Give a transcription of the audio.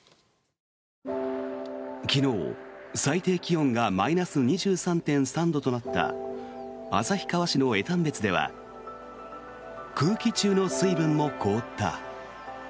昨日、最低気温がマイナス２３．３度となった旭川市の江丹別では空気中の水分も凍った。